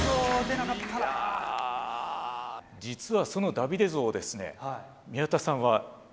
実はそのダビデ像をですねうわ